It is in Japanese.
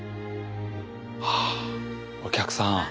あお客さん。